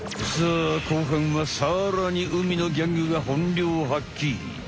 さあ後半はさらに海のギャングが本領発揮！